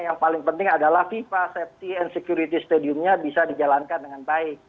yang paling penting adalah fifa safety and security stadiumnya bisa dijalankan dengan baik